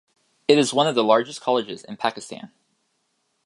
It is one of the largest colleges in Pakistan.